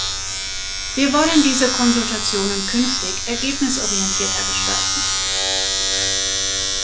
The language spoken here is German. Wir wollen diese Konsultationen künftig ergebnisorientierter gestalten.